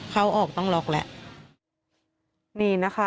เขาออกต้องล็อกแหละ